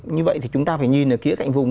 như vậy thì chúng ta phải nhìn ở khía cạnh vùng